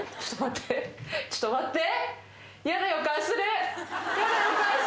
えっ？